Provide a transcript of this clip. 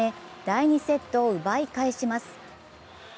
第２セットを奪い返します。